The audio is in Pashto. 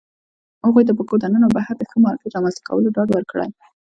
هغوى ته په کور دننه او بهر د ښه مارکيټ رامنځته کولو ډاډ ورکړى